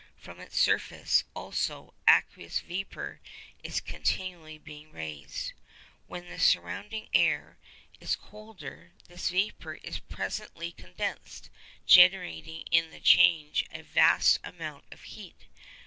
From its surface, also, aqueous vapour is continually being raised. When the surrounding air is colder, this vapour is presently condensed, generating in the change a vast amount of heat.